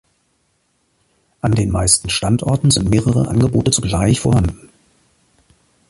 An den meisten Standorten sind mehrere Angebote zugleich vorhanden.